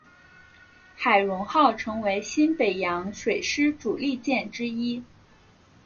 海容号成为新北洋水师主力舰之一。